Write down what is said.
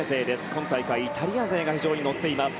今大会、イタリア勢が非常に乗っています。